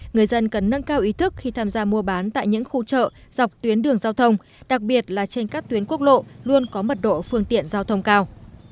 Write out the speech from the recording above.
người dân cần nâng cao ý thức khi tham gia mua bán tại những khu chợ dọc tuyến đường giao thông đặc biệt là trên các tuyến quốc lộ luôn có mật độ phương tiện giao thông cao